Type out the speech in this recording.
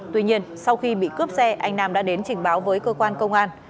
tuy nhiên sau khi bị cướp xe anh nam đã đến trình báo với cơ quan công an